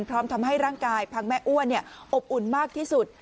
พร้อมทำให้ร่างกายพังแม่อ้วนอบอุ่นมากที่สุด